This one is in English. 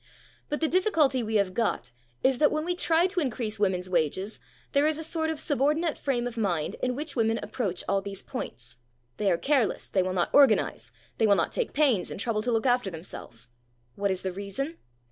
But the difficulty we have got is that when we try to increase women's wages there is a sort of subordinate frame of mind in which women approach all these points. They are careless. They will not organise. They will not take pains and trouble to look after themselves. What is the reason?